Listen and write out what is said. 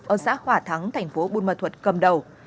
ở xã hỏa thắng thành phố bùn mơ thuật cầm đầu